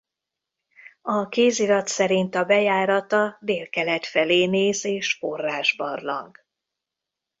A kézirat szerint a bejárata délkelet felé néz és forrásbarlang.